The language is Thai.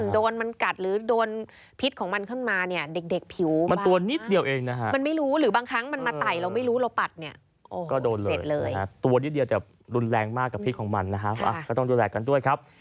โดนมันกัดหรือพิจของมันขึ้นมาเนี่ยเด็กผิว